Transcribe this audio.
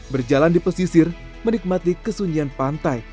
berjalan di pesisir menikmati kesunyian pantai